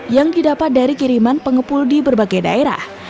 yang didapat dari kiriman pengepul di berbagai daerah